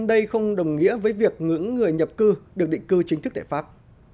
đây không đồng nghĩa với việc ngưỡng người nhập cư được định cư chính thức tại pháp